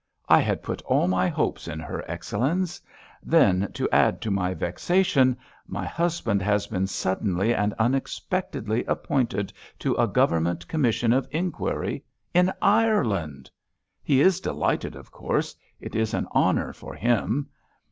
I had put all my hopes in her, Excellenz! Then, to add to my vexation, my husband has been suddenly and unexpectedly appointed to a Government commission of inquiry in Ireland. He is delighted, of course; it is an honour for him.